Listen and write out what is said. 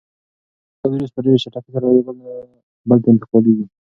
دا وېروس په ډېرې چټکۍ سره له یو بل ته انتقالېږي.